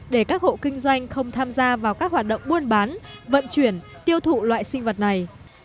để các hộ kinh doanh không tham gia vào các hoạt động buôn bán vận chuyển tiêu thụ loại sinh vật này